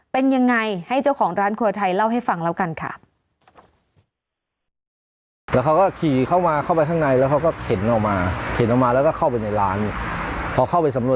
เป็นยังไงให้เจ้าของร้านครัวไทยเล่าให้ฟังแล้วกันค่ะ